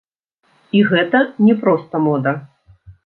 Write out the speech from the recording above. І гэта не проста мода.